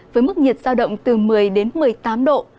với mức nhiệt giao động từ một mươi đến một mươi tám độ